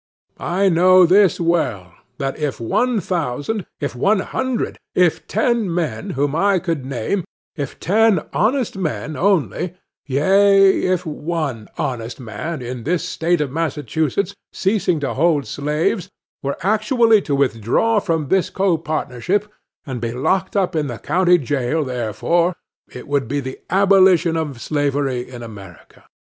I know this well, that if one thousand, if one hundred, if ten men whom I could name,—if ten honest men only,—aye, if one HONEST man, in this State of Massachusetts, ceasing to hold slaves, were actually to withdraw from this copartnership, and be locked up in the county jail therefor, it would be the abolition of slavery in America.